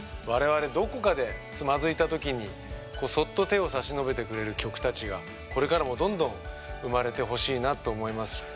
我々どこかでつまずいたときにそっと手を差し伸べてくれる曲たちがこれからもどんどん生まれてほしいなと思います。